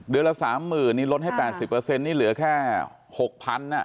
เดือนละสามหมื่นนี่ลดให้แปดสิบเปอร์เซ็นต์นี่เหลือแค่หกพันอ่ะ